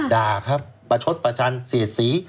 ด่าครับประชดประชันเสียดสี